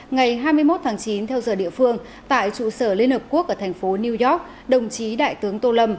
ngày hai mươi một tháng chín theo giờ địa phương tại trụ sở liên hợp quốc ở thành phố new york đồng chí đại tướng tô lâm